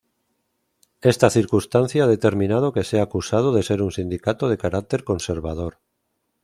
Esta circunstancia ha determinado que sea acusado de ser un sindicato de carácter conservador.